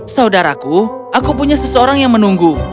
saudaraku aku punya seseorang yang menunggu